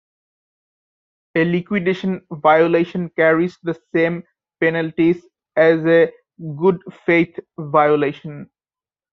A liquidation violation carries the same penalties as a good faith violation.